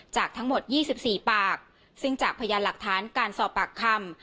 จากทั้งหมด๒๔ปากซึ่งจากพยานหลักฐานการสอบปากคำ